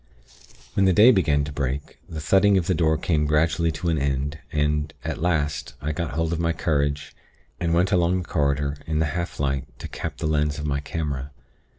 "When the day began to break, the thudding of the door came gradually to an end, and, at last, I got hold of my courage, and went along the corridor in the half light to cap the lens of my camera.